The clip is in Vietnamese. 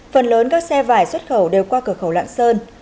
phần lớn các xe vải xuất khẩu đều qua cửa khẩu lạng sơn